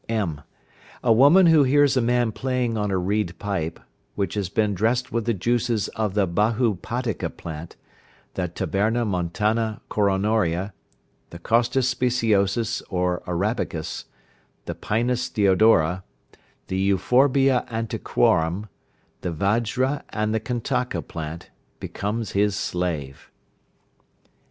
(m). A woman who hears a man playing on a reed pipe which has been dressed with the juices of the bahupadika plant, the tabernamontana coronaria, the costus speciosus or arabicus, the pinus deodora, the euphorbia antiquorum, the vajra and the kantaka plant, becomes his slave.